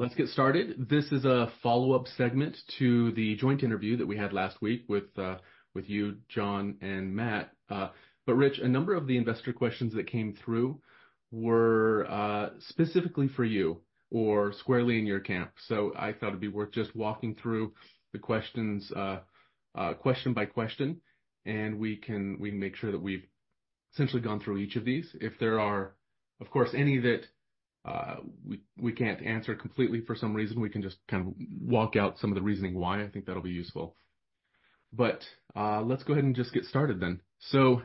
Let's get started. This is a follow-up segment to the joint interview that we had last week with you, John, and Matt, but Rich, a number of the investor questions that came through were specifically for you or squarely in your camp, so I thought it'd be worth just walking through the questions question by question, and we can make sure that we've essentially gone through each of these. If there are, of course, any that we can't answer completely for some reason, we can just kind of walk out some of the reasoning why. I think that'll be useful, but let's go ahead and just get started then, so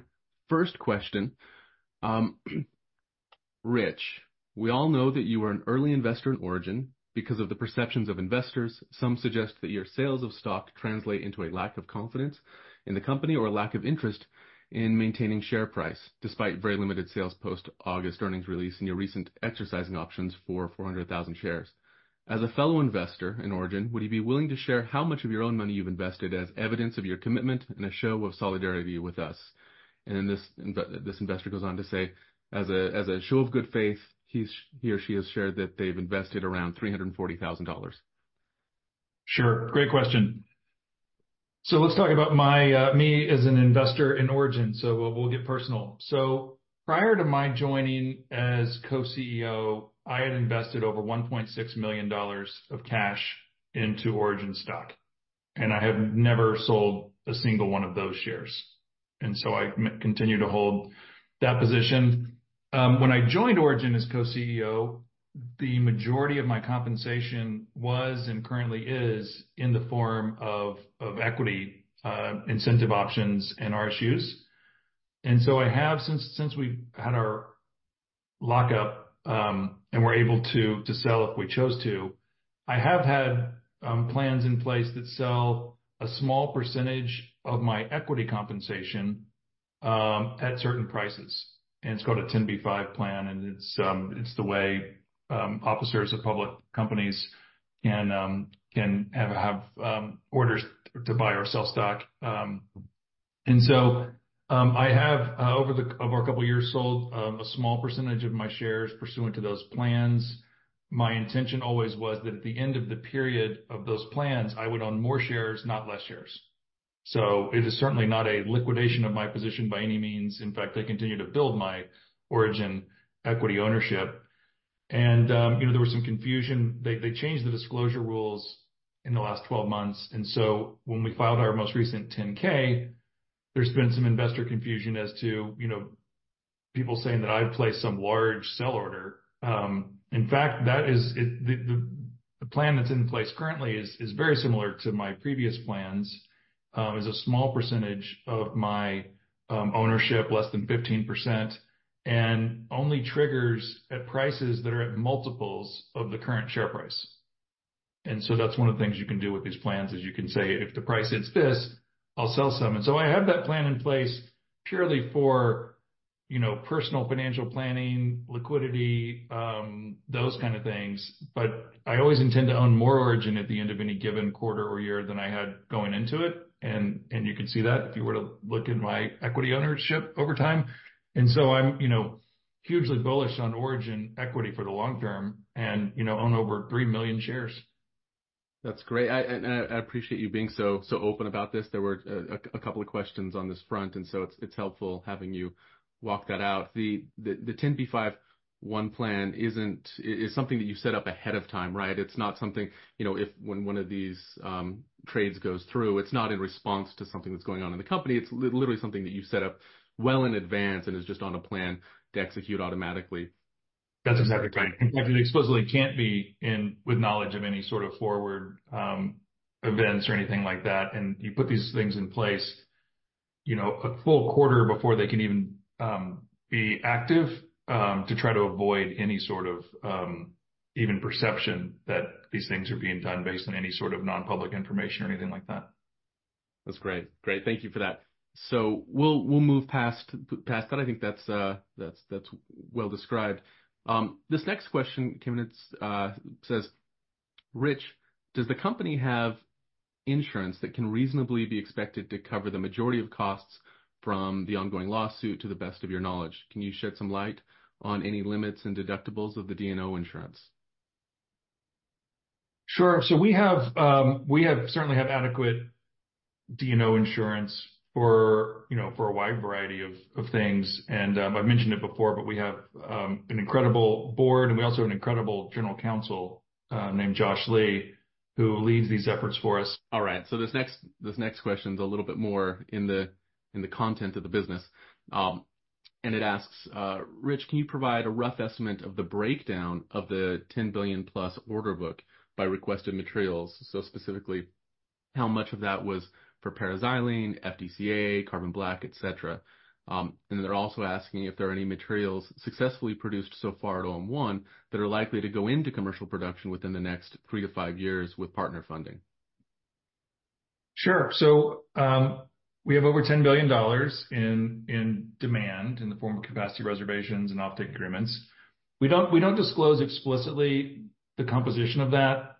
first question, Rich, we all know that you are an early investor in Origin because of the perceptions of investors. Some suggest that your sales of stock translate into a lack of confidence in the company or a lack of interest in maintaining share price, despite very limited sales post-August earnings release and your recent exercising options for 400,000 shares. As a fellow investor in Origin, would you be willing to share how much of your own money you've invested as evidence of your commitment and a show of solidarity with us, and then this investor goes on to say, as a show of good faith, he or she has shared that they've invested around $340,000. Sure. Great question. So let's talk about me as an investor in Origin, so we'll get personal, so prior to my joining as co-CEO, I had invested over $1.6 million of cash into Origin stock, and I have never sold a single one of those shares, and so I continue to hold that position. When I joined Origin as co-CEO, the majority of my compensation was and currently is in the form of equity incentive options and RSUs, and so I have, since we've had our lockup and we're able to sell if we chose to, I have had plans in place that sell a small percentage of my equity compensation at certain prices, and it's called a 10b5-1 plan, and it's the way officers of public companies can have orders to buy or sell stock. And so I have, over the couple of years, sold a small percentage of my shares pursuant to those plans. My intention always was that at the end of the period of those plans, I would own more shares, not less shares. So it is certainly not a liquidation of my position by any means. In fact, they continue to build my Origin equity ownership. And there was some confusion. They changed the disclosure rules in the last 12 months. And so when we filed our most recent 10-K, there's been some investor confusion as to people saying that I've placed some large sell order. In fact, the plan that's in place currently is very similar to my previous plans. It's a small percentage of my ownership, less than 15%, and only triggers at prices that are at multiples of the current share price. And so that's one of the things you can do with these plans is you can say, "If the price hits this, I'll sell some." And so I have that plan in place purely for personal financial planning, liquidity, those kind of things. But I always intend to own more Origin at the end of any given quarter or year than I had going into it. And you can see that if you were to look at my equity ownership over time. And so I'm hugely bullish on Origin equity for the long term and own over 3 million shares. That's great, and I appreciate you being so open about this. There were a couple of questions on this front, and so it's helpful having you walk that out. The 10b5-1 plan is something that you set up ahead of time, right? It's not something when one of these trades goes through, it's not in response to something that's going on in the company. It's literally something that you set up well in advance and is just on a plan to execute automatically. That's exactly right. In fact, it explicitly can't be with knowledge of any sort of forward events or anything like that, and you put these things in place a full quarter before they can even be active to try to avoid any sort of even perception that these things are being done based on any sort of non-public information or anything like that. That's great. Great. Thank you for that. So we'll move past that. I think that's well described. This next question came in. It says, "Rich, does the company have insurance that can reasonably be expected to cover the majority of costs from the ongoing lawsuit to the best of your knowledge? Can you shed some light on any limits and deductibles of the D&O insurance? Sure. So we certainly have adequate D&O Insurance for a wide variety of things. And I've mentioned it before, but we have an incredible board, and we also have an incredible General Counsel named Josh Lee, who leads these efforts for us. All right. So this next question is a little bit more in the content of the business. And it asks, "Rich, can you provide a rough estimate of the breakdown of the 10 billion-plus order book by requested materials?" So specifically, how much of that was for parazylene, FDCA, carbon black, etc. And then they're also asking if there are any materials successfully produced so far at OM1 that are likely to go into commercial production within the next three to five years with partner funding. Sure. So we have over $10 billion in demand in the form of capacity reservations and offtake agreements. We don't disclose explicitly the composition of that.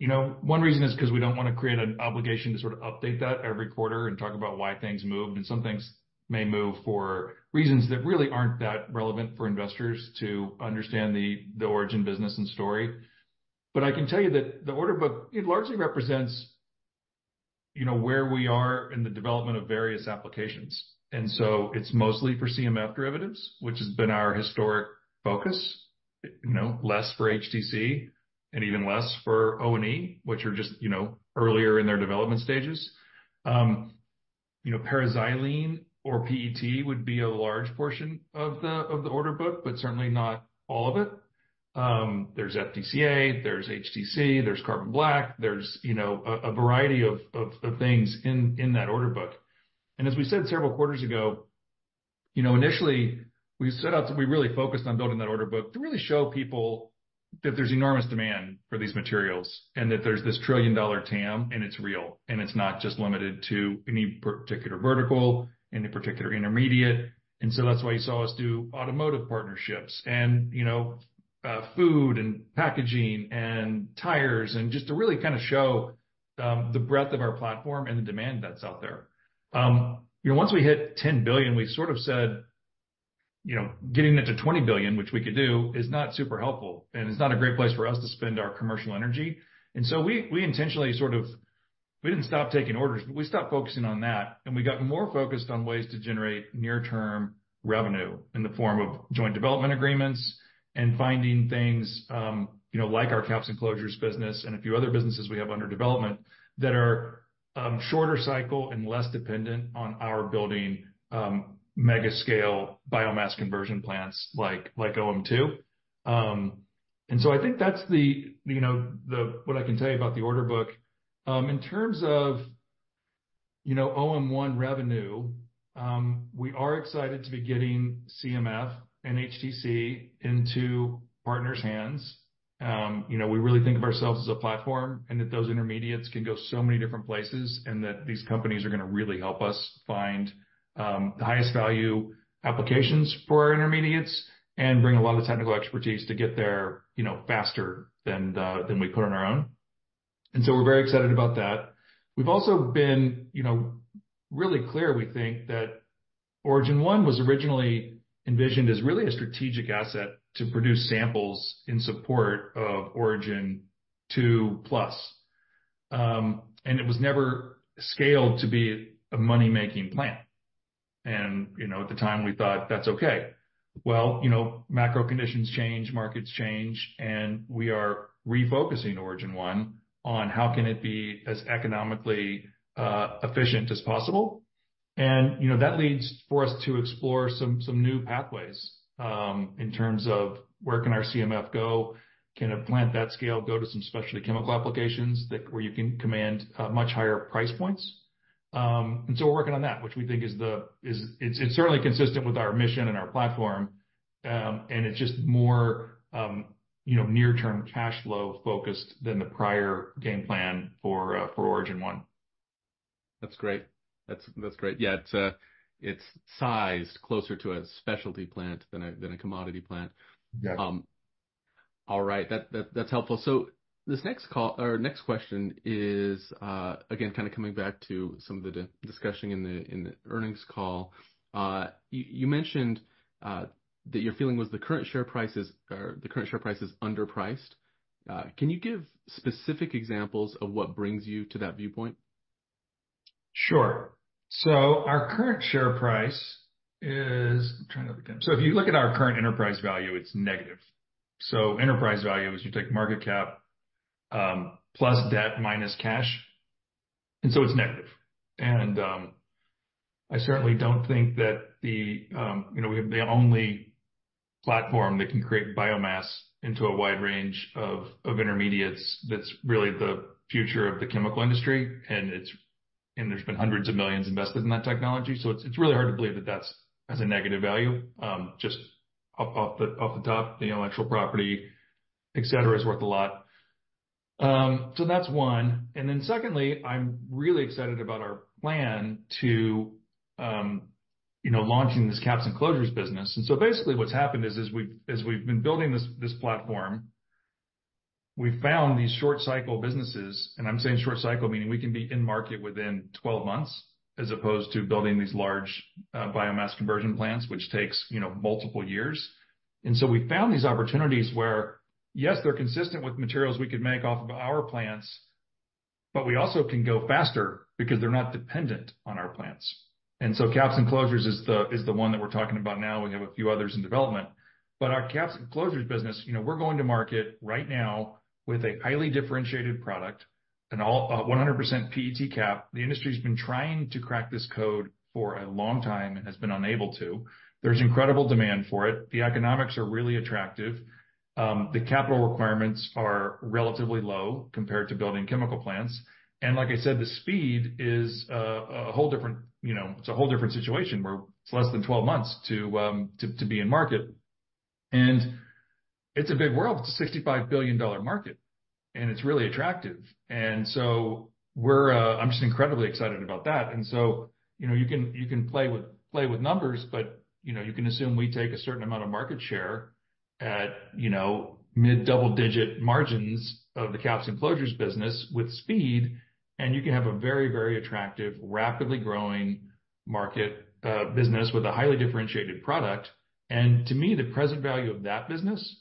One reason is because we don't want to create an obligation to sort of update that every quarter and talk about why things moved. And some things may move for reasons that really aren't that relevant for investors to understand the Origin business and story. But I can tell you that the order book largely represents where we are in the development of various applications. And so it's mostly for CMF derivatives, which has been our historic focus, less for HTC and even less for O&E, which are just earlier in their development stages. Paraxylene or PET would be a large portion of the order book, but certainly not all of it. There's FDCA, there's HTC, there's carbon black, there's a variety of things in that order book. And as we said several quarters ago, initially, we really focused on building that order book to really show people that there's enormous demand for these materials and that there's this trillion-dollar TAM, and it's real. And it's not just limited to any particular vertical, any particular intermediate. And so that's why you saw us do automotive partnerships and food and packaging and tires and just to really kind of show the breadth of our platform and the demand that's out there. Once we hit 10 billion, we sort of said, "Getting it to 20 billion, which we could do, is not super helpful, and it's not a great place for us to spend our commercial energy." And so we intentionally sort of, we didn't stop taking orders, but we stopped focusing on that. And we got more focused on ways to generate near-term revenue in the form of joint development agreements and finding things like our caps and closures business and a few other businesses we have under development that are shorter cycle and less dependent on our building mega-scale biomass conversion plants like OM2. And so I think that's what I can tell you about the order book. In terms of OM1 revenue, we are excited to be getting CMF and HTC into partners' hands. We really think of ourselves as a platform and that those intermediates can go so many different places and that these companies are going to really help us find the highest value applications for our intermediates and bring a lot of technical expertise to get there faster than we put on our own. And so we're very excited about that. We've also been really clear, we think, that Origin One was originally envisioned as really a strategic asset to produce samples in support of Origin Two Plus. And it was never scaled to be a money-making plant. And at the time, we thought, "That's okay." Well, macro conditions change, markets change, and we are refocusing Origin One on how can it be as economically efficient as possible. And that leads for us to explore some new pathways in terms of where can our CMF go, can a plant that scale go to some specialty chemical applications where you can command much higher price points. And so we're working on that, which we think is certainly consistent with our mission and our platform. And it's just more near-term cash flow focused than the prior game plan for Origin One. That's great. That's great. Yeah. It's sized closer to a specialty plant than a commodity plant. All right. That's helpful. So this next call, our next question is, again, kind of coming back to some of the discussion in the earnings call. You mentioned that your feeling was the current share price is underpriced. Can you give specific examples of what brings you to that viewpoint? Sure. So our current share price is. So if you look at our current enterprise value, it's negative. So enterprise value is you take market cap plus debt minus cash. And so it's negative. And I certainly don't think that we have the only platform that can create biomass into a wide range of intermediates that's really the future of the chemical industry. And there's been hundreds of millions invested in that technology. So it's really hard to believe that that's a negative value. Just off the top, the intellectual property, etc., is worth a lot. So that's one. And then secondly, I'm really excited about our plan to launching this caps and closures business. And so basically, what's happened is as we've been building this platform, we've found these short-cycle businesses. I'm saying short-cycle, meaning we can be in market within 12 months as opposed to building these large biomass conversion plants, which takes multiple years. We found these opportunities where, yes, they're consistent with materials we could make off of our plants, but we also can go faster because they're not dependent on our plants. Caps and closures is the one that we're talking about now. We have a few others in development. Our caps and closures business, we're going to market right now with a highly differentiated product and 100% PET cap. The industry has been trying to crack this code for a long time and has been unable to. There's incredible demand for it. The economics are really attractive. The capital requirements are relatively low compared to building chemical plants. And like I said, the speed is a whole different. It's a whole different situation where it's less than 12 months to be in market. And it's a big world. It's a $65 billion market. And it's really attractive. And so I'm just incredibly excited about that. And so you can play with numbers, but you can assume we take a certain amount of market share at mid-double-digit margins of the caps and closures business with speed, and you can have a very, very attractive, rapidly growing market business with a highly differentiated product. And to me, the present value of that business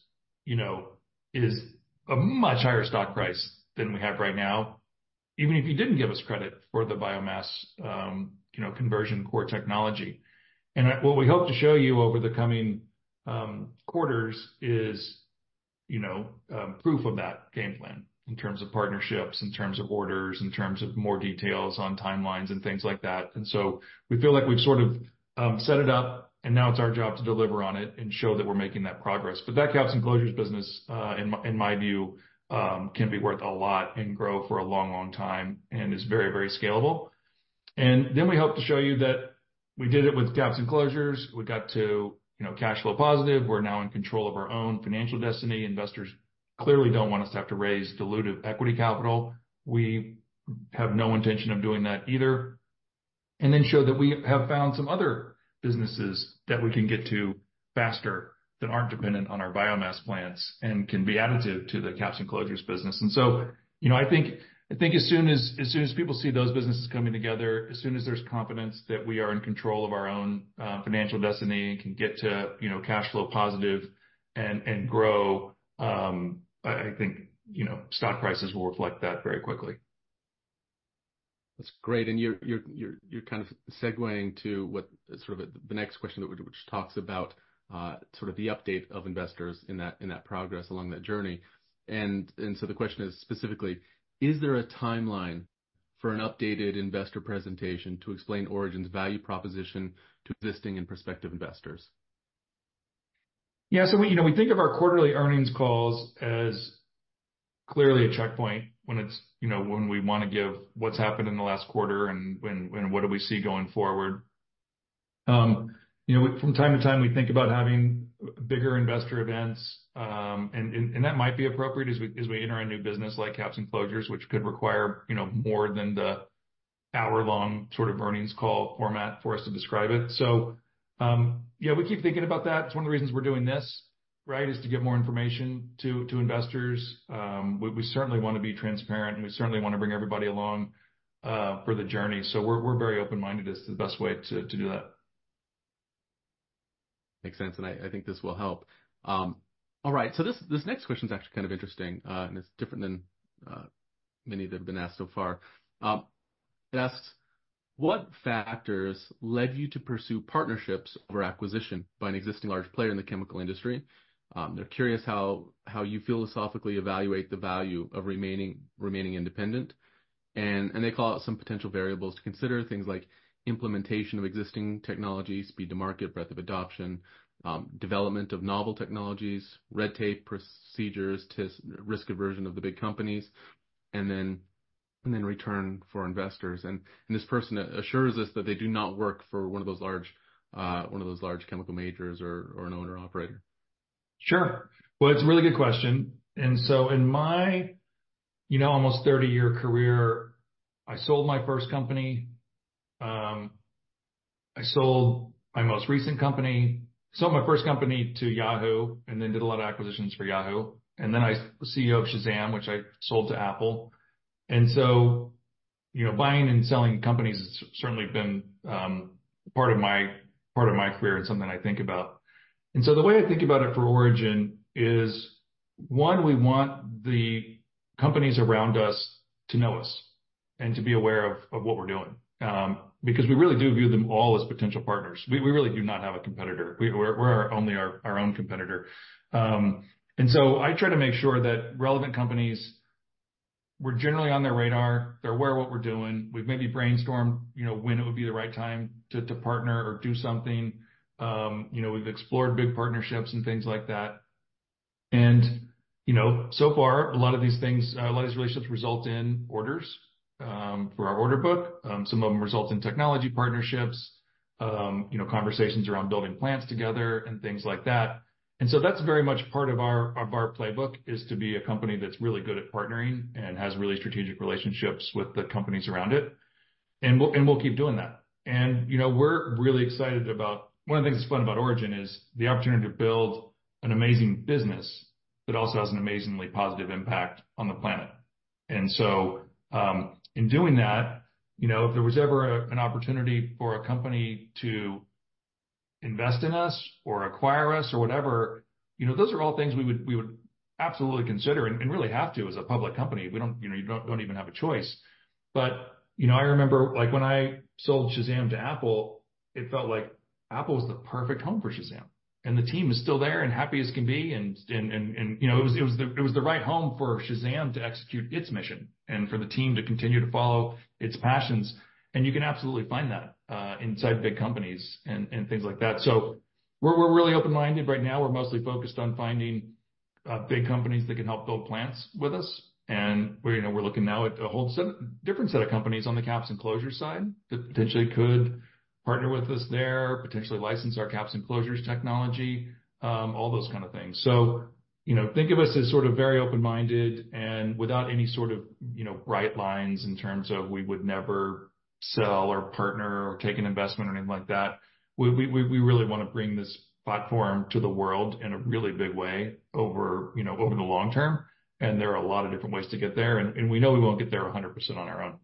is a much higher stock price than we have right now, even if you didn't give us credit for the biomass conversion core technology. What we hope to show you over the coming quarters is proof of that game plan in terms of partnerships, in terms of orders, in terms of more details on timelines and things like that. And so we feel like we've sort of set it up, and now it's our job to deliver on it and show that we're making that progress. But that Caps and Closures business, in my view, can be worth a lot and grow for a long, long time and is very, very scalable. And then we hope to show you that we did it with Caps and Closures. We got to cash flow positive. We're now in control of our own financial destiny. Investors clearly don't want us to have to raise diluted equity capital. We have no intention of doing that either. And then show that we have found some other businesses that we can get to faster that aren't dependent on our biomass plants and can be additive to the caps and closures business. And so I think as soon as people see those businesses coming together, as soon as there's confidence that we are in control of our own financial destiny and can get to cash flow positive and grow, I think stock prices will reflect that very quickly. That's great. And you're kind of segueing to sort of the next question that talks about sort of the update of investors in that progress along that journey. And so the question is specifically, is there a timeline for an updated investor presentation to explain Origin's value proposition to existing and prospective investors? Yeah. So we think of our quarterly earnings calls as clearly a checkpoint when we want to give what's happened in the last quarter and what do we see going forward. From time to time, we think about having bigger investor events. And that might be appropriate as we enter a new business like caps and closures, which could require more than the hour-long sort of earnings call format for us to describe it. So yeah, we keep thinking about that. It's one of the reasons we're doing this, right, is to get more information to investors. We certainly want to be transparent, and we certainly want to bring everybody along for the journey. So we're very open-minded as to the best way to do that. Makes sense. And I think this will help. All right. So this next question is actually kind of interesting, and it's different than many that have been asked so far. It asks, "What factors led you to pursue partnerships over acquisition by an existing large player in the chemical industry?" They're curious how you philosophically evaluate the value of remaining independent. And they call out some potential variables to consider, things like implementation of existing technology, speed to market, breadth of adoption, development of novel technologies, red tape procedures to risk aversion of the big companies, and then return for investors. And this person assures us that they do not work for one of those large chemical majors or an owner-operator. Sure. Well, it's a really good question. And so in my almost 30-year career, I sold my first company. I sold my most recent company. I sold my first company to Yahoo and then did a lot of acquisitions for Yahoo. And then I was CEO of Shazam, which I sold to Apple. And so buying and selling companies has certainly been part of my career and something I think about. And so the way I think about it for Origin is, one, we want the companies around us to know us and to be aware of what we're doing because we really do view them all as potential partners. We really do not have a competitor. We're only our own competitor. And so I try to make sure that relevant companies were generally on their radar. They're aware of what we're doing. We've maybe brainstormed when it would be the right time to partner or do something. We've explored big partnerships and things like that. And so far, a lot of these things, a lot of these relationships result in orders for our order book. Some of them result in technology partnerships, conversations around building plants together, and things like that. And so that's very much part of our playbook is to be a company that's really good at partnering and has really strategic relationships with the companies around it. And we'll keep doing that. And we're really excited about one of the things that's fun about Origin is the opportunity to build an amazing business that also has an amazingly positive impact on the planet. And so in doing that, if there was ever an opportunity for a company to invest in us or acquire us or whatever, those are all things we would absolutely consider and really have to as a public company. We don't even have a choice. But I remember when I sold Shazam to Apple, it felt like Apple was the perfect home for Shazam. And the team is still there and happy as can be. And it was the right home for Shazam to execute its mission and for the team to continue to follow its passions. And you can absolutely find that inside big companies and things like that. So we're really open-minded right now. We're mostly focused on finding big companies that can help build plants with us. And we're looking now at a whole different set of companies on the caps and closures side that potentially could partner with us there, potentially license our caps and closures technology, all those kinds of things. So think of us as sort of very open-minded and without any sort of bright lines in terms of we would never sell or partner or take an investment or anything like that. We really want to bring this platform to the world in a really big way over the long term. And there are a lot of different ways to get there. And we know we won't get there 100% on our own.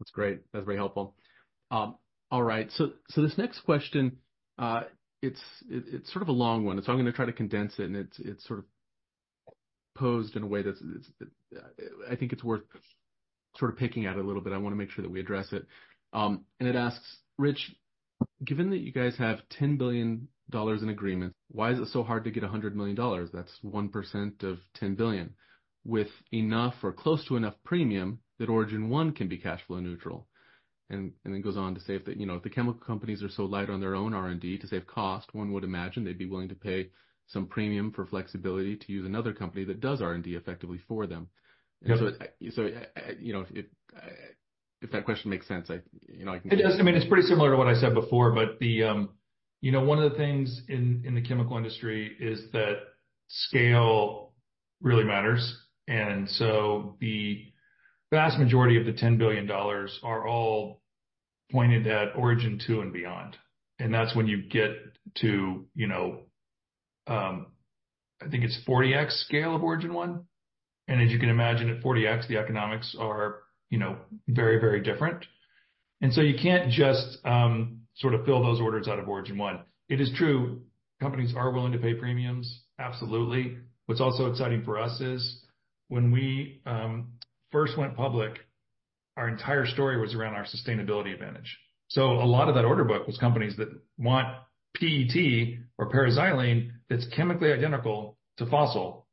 That's great. That's very helpful. All right. So this next question, it's sort of a long one. So I'm going to try to condense it, and it's sort of posed in a way that I think it's worth sort of picking at a little bit. I want to make sure that we address it. And it asks, "Rich, given that you guys have $10 billion in agreements, why is it so hard to get $100 million? That's 1% of 10 billion with enough or close to enough premium that Origin One can be cash flow neutral." And then goes on to say that if the chemical companies are so light on their own R&D to save cost, one would imagine they'd be willing to pay some premium for flexibility to use another company that does R&D effectively for them. And so if that question makes sense, I can. It does. I mean, it's pretty similar to what I said before, but one of the things in the chemical industry is that scale really matters, so the vast majority of the $10 billion are all pointed at Origin Two and beyond. That's when you get to, I think it's 40X scale of Origin One. As you can imagine, at 40X, the economics are very different, so you can't just sort of fill those orders out of Origin One. It is true. Companies are willing to pay premiums, absolutely. What's also exciting for us is when we first went public, our entire story was around our sustainability advantage, so a lot of that order book was companies that want PET or paraxylene that's chemically identical to fossil.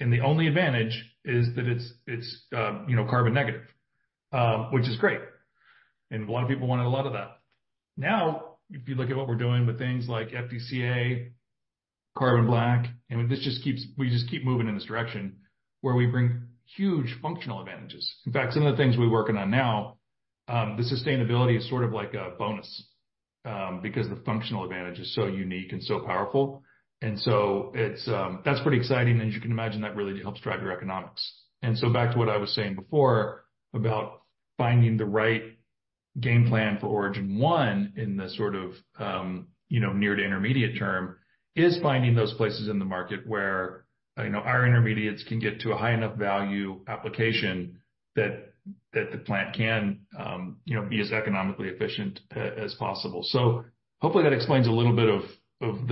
The only advantage is that it's carbon negative, which is great. And a lot of people wanted a lot of that. Now, if you look at what we're doing with things like FDCA, Carbon Black, and we just keep moving in this direction where we bring huge functional advantages. In fact, some of the things we're working on now, the sustainability is sort of like a bonus because the functional advantage is so unique and so powerful. And so that's pretty exciting. And as you can imagine, that really helps drive your economics. And so back to what I was saying before about finding the right game plan for Origin One in the sort of near to intermediate term is finding those places in the market where our intermediates can get to a high enough value application that the plant can be as economically efficient as possible. Hopefully, that explains a little bit.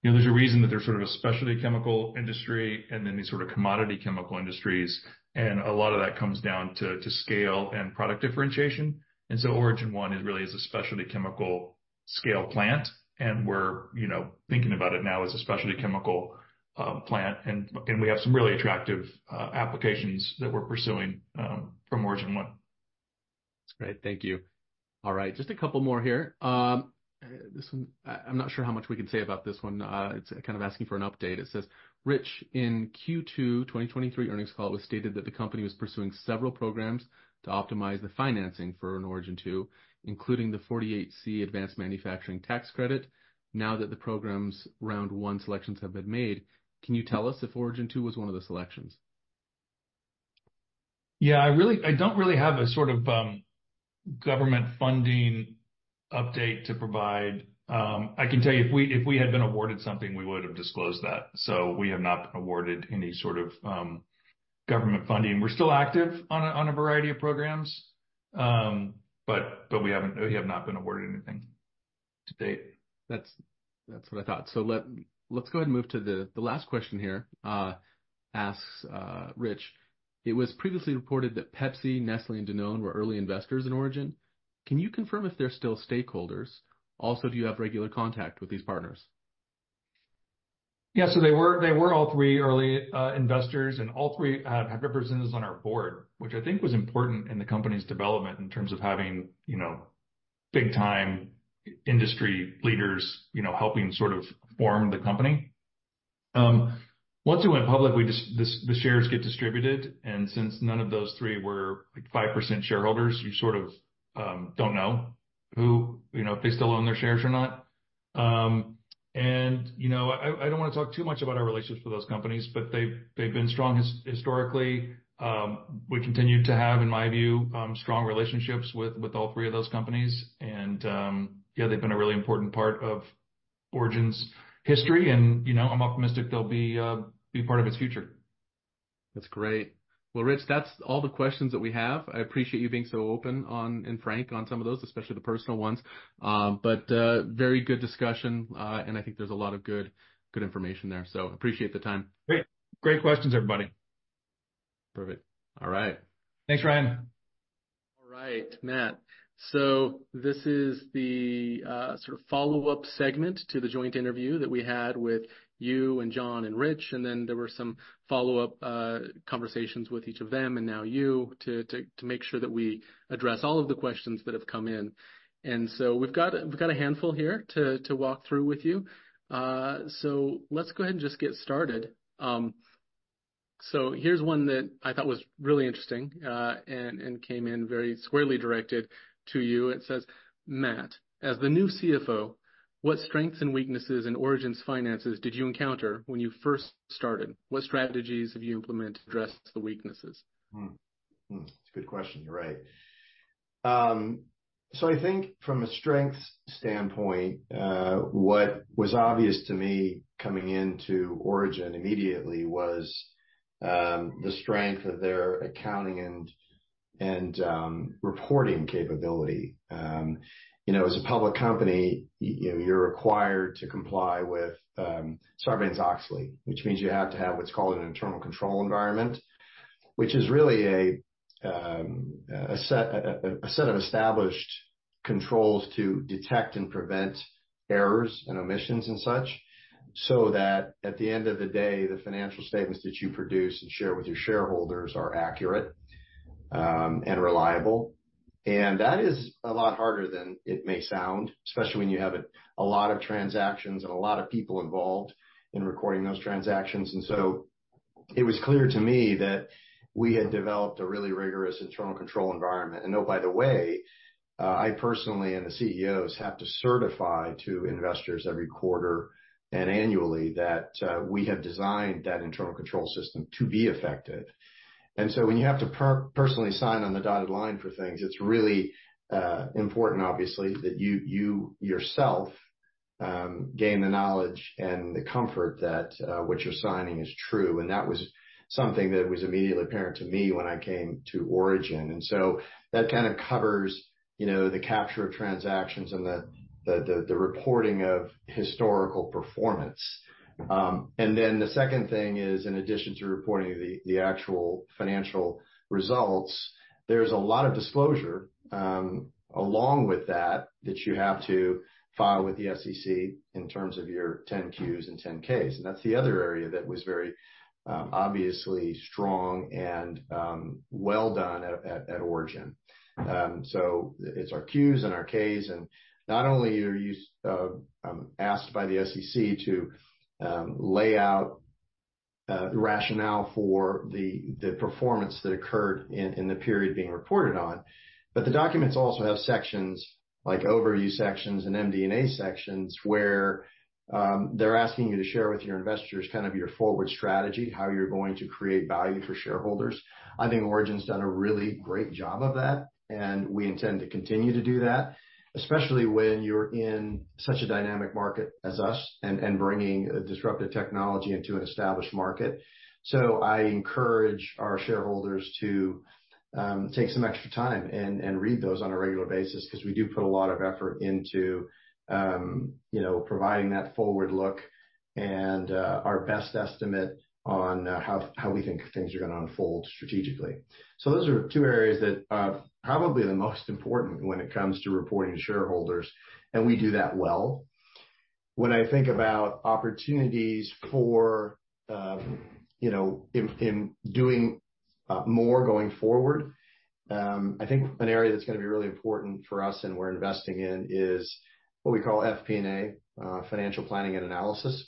There's a reason that there's sort of a specialty chemical industry and then these sort of commodity chemical industries. A lot of that comes down to scale and product differentiation. So Origin One really is a specialty chemical scale plant. We're thinking about it now as a specialty chemical plant. We have some really attractive applications that we're pursuing from Origin One. That's great. Thank you. All right. Just a couple more here. I'm not sure how much we can say about this one. It's kind of asking for an update. It says, "Rich, in Q2 2023 earnings call, it was stated that the company was pursuing several programs to optimize the financing for Origin Two, including the 48C Advanced Manufacturing Tax Credit. Now that the program's round one selections have been made, can you tell us if Origin Two was one of the selections? Yeah. I don't really have a sort of government funding update to provide. I can tell you if we had been awarded something, we would have disclosed that. So we have not been awarded any sort of government funding. We're still active on a variety of programs, but we have not been awarded anything to date. That's what I thought. So let's go ahead and move to the last question here. It asks, "Rich, it was previously reported that Pepsi, Nestlé, and Danone were early investors in Origin. Can you confirm if they're still stakeholders? Also, do you have regular contact with these partners? Yeah. So they were all three early investors, and all three have representatives on our board, which I think was important in the company's development in terms of having big-time industry leaders helping sort of form the company. Once we went public, the shares get distributed. And since none of those three were 5% shareholders, you sort of don't know if they still own their shares or not. And I don't want to talk too much about our relationships with those companies, but they've been strong historically. We continue to have, in my view, strong relationships with all three of those companies. And yeah, they've been a really important part of Origin's history. And I'm optimistic they'll be part of its future. That's great. Well, Rich, that's all the questions that we have. I appreciate you being so open and frank on some of those, especially the personal ones. But very good discussion. And I think there's a lot of good information there. So appreciate the time. Great. Great questions, everybody. Perfect. All right. Thanks, Ryan. All right, Matt. So this is the sort of follow-up segment to the joint interview that we had with you and John and Rich. And then there were some follow-up conversations with each of them and now you to make sure that we address all of the questions that have come in. And so we've got a handful here to walk through with you. So let's go ahead and just get started. So here's one that I thought was really interesting and came in very squarely directed to you. It says, "Matt, as the new CFO, what strengths and weaknesses in Origin's finances did you encounter when you first started? What strategies have you implemented to address the weaknesses? That's a good question. You're right. So I think from a strengths standpoint, what was obvious to me coming into Origin immediately was the strength of their accounting and reporting capability. As a public company, you're required to comply with Sarbanes-Oxley, which means you have to have what's called an internal control environment, which is really a set of established controls to detect and prevent errors and omissions and such so that at the end of the day, the financial statements that you produce and share with your shareholders are accurate and reliable. And that is a lot harder than it may sound, especially when you have a lot of transactions and a lot of people involved in recording those transactions. And so it was clear to me that we had developed a really rigorous internal control environment. And oh, by the way, I personally and the CEOs have to certify to investors every quarter and annually that we have designed that internal control system to be effective. And so when you have to personally sign on the dotted line for things, it's really important, obviously, that you yourself gain the knowledge and the comfort that what you're signing is true. And that was something that was immediately apparent to me when I came to Origin. And so that kind of covers the capture of transactions and the reporting of historical performance. And then the second thing is, in addition to reporting the actual financial results, there's a lot of disclosure along with that that you have to file with the SEC in terms of your 10-Qs and 10-Ks. And that's the other area that was very obviously strong and well done at Origin. It's our Qs and our Ks. And not only are you asked by the SEC to lay out the rationale for the performance that occurred in the period being reported on, but the documents also have sections like overview sections and MD&A sections where they're asking you to share with your investors kind of your forward strategy, how you're going to create value for shareholders. I think Origin's done a really great job of that. And we intend to continue to do that, especially when you're in such a dynamic market as us and bringing disruptive technology into an established market. So I encourage our shareholders to take some extra time and read those on a regular basis because we do put a lot of effort into providing that forward look and our best estimate on how we think things are going to unfold strategically. Those are two areas that are probably the most important when it comes to reporting to shareholders. And we do that well. When I think about opportunities for doing more going forward, I think an area that's going to be really important for us and we're investing in is what we call FP&A, financial planning and analysis.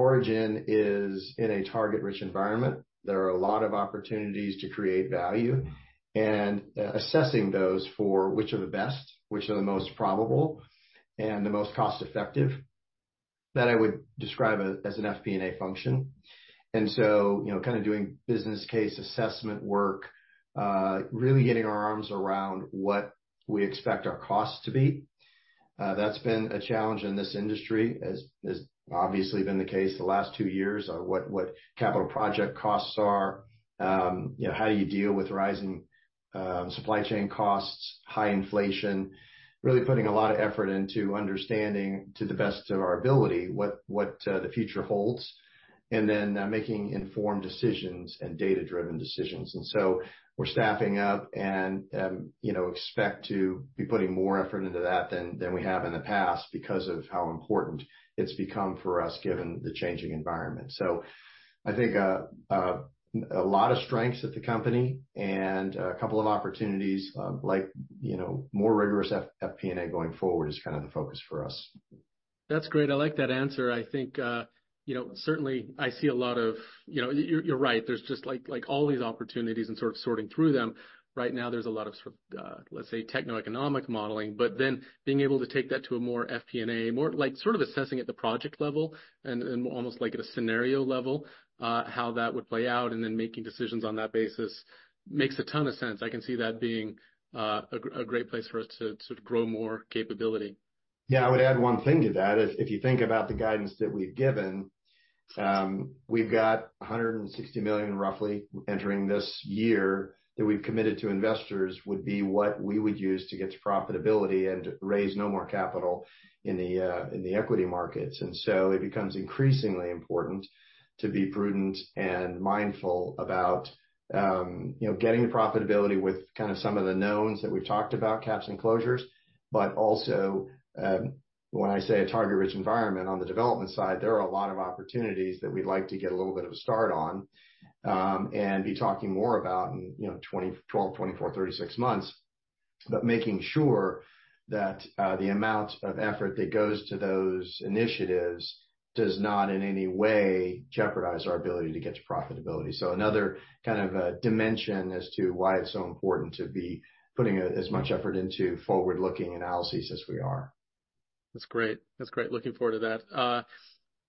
Origin is in a target-rich environment. There are a lot of opportunities to create value and assessing those for which are the best, which are the most probable, and the most cost-effective that I would describe as an FP&A function. And so kind of doing business case assessment work, really getting our arms around what we expect our costs to be. That's been a challenge in this industry, as has obviously been the case the last two years, what capital project costs are, how do you deal with rising supply chain costs, high inflation, really putting a lot of effort into understanding to the best of our ability what the future holds, and then making informed decisions and data-driven decisions, and so we're staffing up and expect to be putting more effort into that than we have in the past because of how important it's become for us given the changing environment, so I think a lot of strengths at the company and a couple of opportunities, like more rigorous FP&A going forward is kind of the focus for us. That's great. I like that answer. I think certainly I see a lot of you're right. There's just all these opportunities and sort of sorting through them. Right now, there's a lot of sort of, let's say, techno-economic modeling, but then being able to take that to a more FP&A, more like sort of assessing at the project level and almost like at a scenario level, how that would play out, and then making decisions on that basis makes a ton of sense. I can see that being a great place for us to sort of grow more capability? Yeah. I would add one thing to that. If you think about the guidance that we've given, we've got $160 million, roughly, entering this year that we've committed to investors would be what we would use to get to profitability and raise no more capital in the equity markets. And so it becomes increasingly important to be prudent and mindful about getting the profitability with kind of some of the knowns that we've talked about, caps and closures. But also, when I say a target-rich environment on the development side, there are a lot of opportunities that we'd like to get a little bit of a start on and be talking more about in 12 months, 24 months, 36 months, but making sure that the amount of effort that goes to those initiatives does not in any way jeopardize our ability to get to profitability. So another kind of dimension as to why it's so important to be putting as much effort into forward-looking analyses as we are. That's great. That's great. Looking forward to that.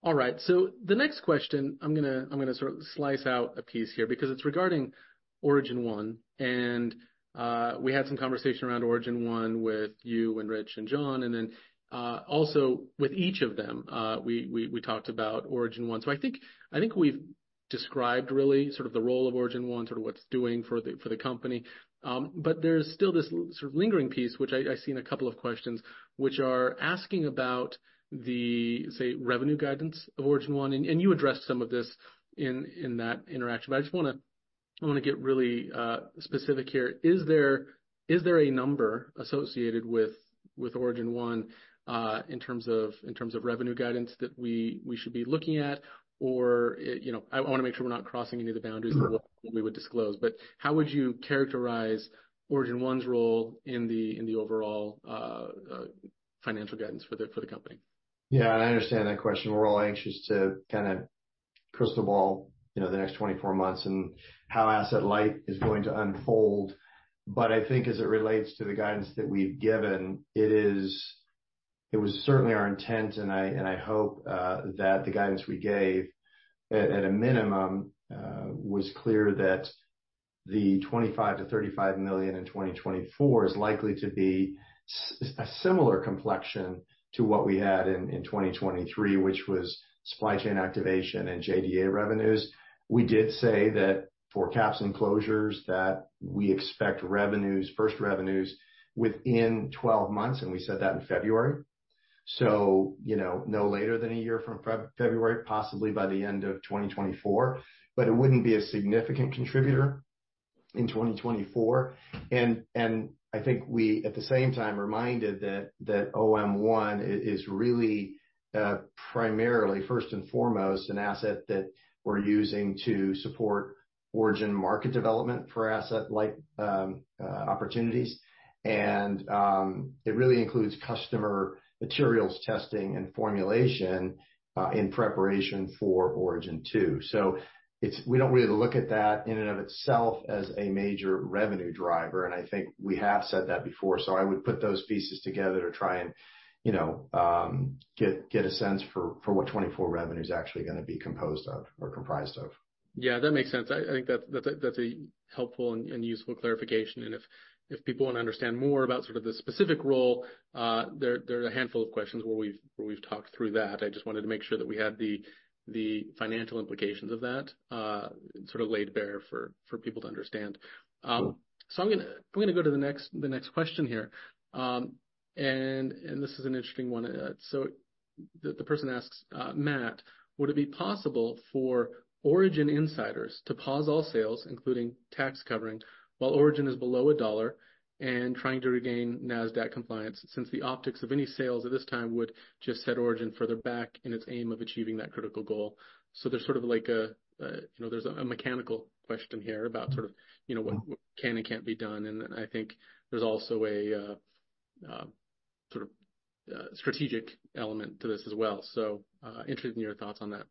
All right. So the next question, I'm going to sort of slice out a piece here because it's regarding Origin 1. And we had some conversation around Origin One with you and Rich and John, and then also with each of them, we talked about Origin One. So I think we've described really sort of the role of Origin One, sort of what it's doing for the company. But there's still this sort of lingering piece, which I see in a couple of questions, which are asking about the, say, revenue guidance of Origin 1. And you addressed some of this in that interaction. But I just want to get really specific here. Is there a number associated with Origin One in terms of revenue guidance that we should be looking at? Or I want to make sure we're not crossing any of the boundaries of what we would disclose. But how would you characterize Origin One's role in the overall financial guidance for the company? Yeah. I understand that question. We're all anxious to kind of crystal ball the next 24 months and how Asset Light is going to unfold. But I think as it relates to the guidance that we've given, it was certainly our intent, and I hope that the guidance we gave, at a minimum, was clear that the $25 million-$35 million in 2024 is likely to be a similar complexion to what we had in 2023, which was supply chain activation and JDA revenues. We did say that for caps and closures, that we expect first revenues within 12 months, and we said that in February. So no later than a year from February, possibly by the end of 2024, but it wouldn't be a significant contributor in 2024. And I think we, at the same time, reminded that OM1 is really primarily, first and foremost, an asset that we're using to support Origin market development for Asset Light opportunities. And it really includes customer materials testing and formulation in preparation for Origin Two. So we don't really look at that in and of itself as a major revenue driver. And I think we have said that before. So I would put those pieces together to try and get a sense for what 24 revenues are actually going to be composed of or comprised of. Yeah, that makes sense. I think that's a helpful and useful clarification. And if people want to understand more about sort of the specific role, there are a handful of questions where we've talked through that. I just wanted to make sure that we had the financial implications of that sort of laid bare for people to understand. So I'm going to go to the next question here. And this is an interesting one. So the person asks, "Matt, would it be possible for Origin insiders to pause all sales, including tax covering, while Origin is below a dollar and trying to regain Nasdaq compliance since the optics of any sales at this time would just set Origin further back in its aim of achieving that critical goal?" So there's sort of like a mechanical question here about sort of what can and can't be done. I think there's also a sort of strategic element to this as well. Interested in your thoughts on that.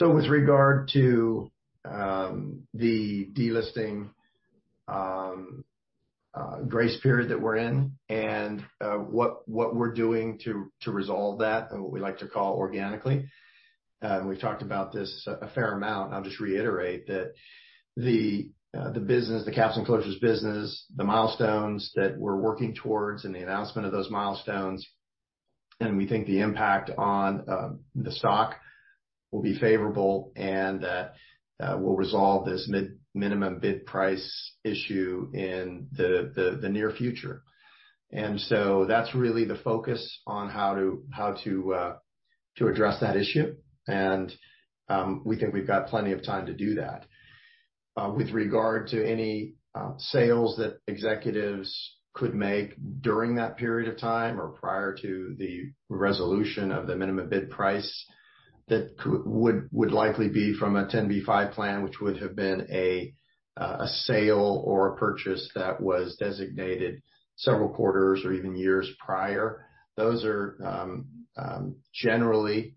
With regard to the delisting grace period that we're in and what we're doing to resolve that and what we like to call organically, we've talked about this a fair amount. I'll just reiterate that the business, the caps and closures business, the milestones that we're working towards and the announcement of those milestones, and we think the impact on the stock will be favorable and that will resolve this minimum bid price issue in the near future. That's really the focus on how to address that issue. We think we've got plenty of time to do that. With regard to any sales that executives could make during that period of time or prior to the resolution of the minimum bid price that would likely be from a 10b5-1 plan, which would have been a sale or a purchase that was designated several quarters or even years prior, those are generally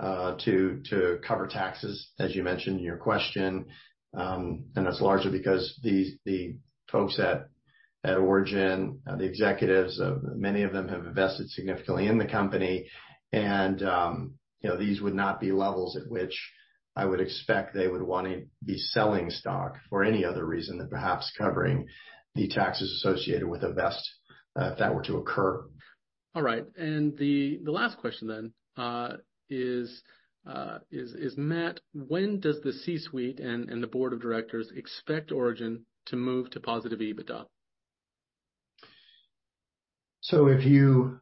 to cover taxes, as you mentioned in your question. And that's largely because the folks at Origin, the executives, many of them have invested significantly in the company. And these would not be levels at which I would expect they would want to be selling stock for any other reason than perhaps covering the taxes associated with a vest if that were to occur. All right, and the last question then is, "Matt, when does the C-suite and the Board of Directors expect Origin to move to positive EBITDA? So if you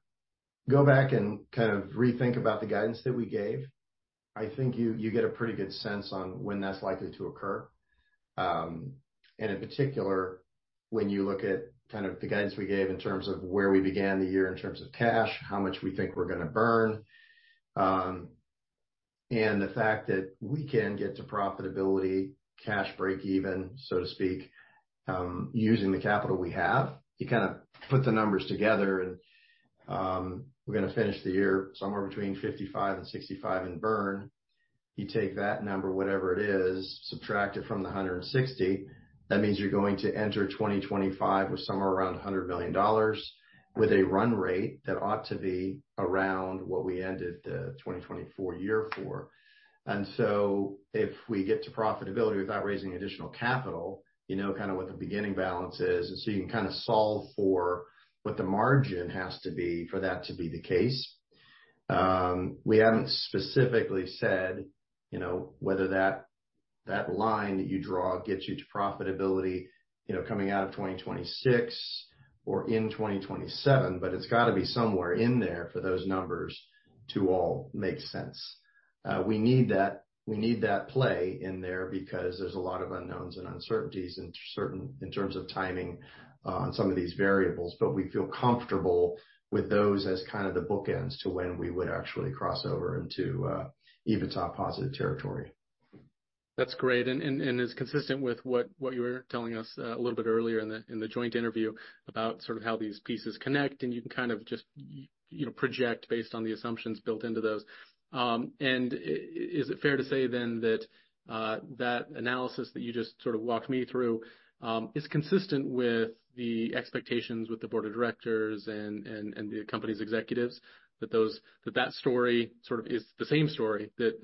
go back and kind of rethink about the guidance that we gave, I think you get a pretty good sense on when that's likely to occur. And in particular, when you look at kind of the guidance we gave in terms of where we began the year in terms of cash, how much we think we're going to burn, and the fact that we can get to profitability, cash break even, so to speak, using the capital we have, you kind of put the numbers together. And we're going to finish the year somewhere between $55 million and $65 million in burn. You take that number, whatever it is, subtract it from the $160 million. That means you're going to enter 2025 with somewhere around $100 million with a run rate that ought to be around what we ended the 2024 year for. If we get to profitability without raising additional capital, you know kind of what the beginning balance is. You can kind of solve for what the margin has to be for that to be the case. We haven't specifically said whether that line that you draw gets you to profitability coming out of 2026 or in 2027, but it's got to be somewhere in there for those numbers to all make sense. We need that play in there because there's a lot of unknowns and uncertainties in terms of timing on some of these variables. We feel comfortable with those as kind of the bookends to when we would actually cross over into EBITDA positive territory. That's great, and it's consistent with what you were telling us a little bit earlier in the joint interview about sort of how these pieces connect, and you can kind of just project based on the assumptions built into those, and is it fair to say then that that analysis that you just sort of walked me through is consistent with the expectations with the board of directors and the company's executives, that that story sort of is the same story that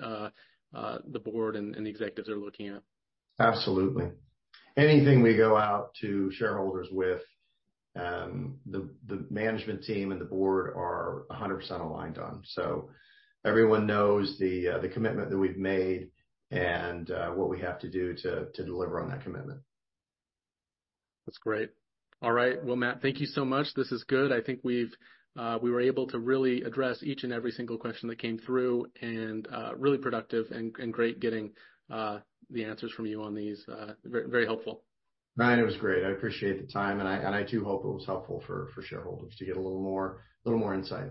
the board and the executives are looking at? Absolutely. Anything we go out to shareholders with, the management team and the board are 100% aligned on. So everyone knows the commitment that we've made and what we have to do to deliver on that commitment. That's great. All right. Well, Matt, thank you so much. This is good. I think we were able to really address each and every single question that came through and really productive and great getting the answers from you on these. Very helpful. All right. It was great. I appreciate the time, and I do hope it was helpful for shareholders to get a little more insight.